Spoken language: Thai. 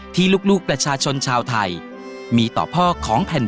ที่ลูกประชาชนชาวไทยมีต่อพ่อของแผ่น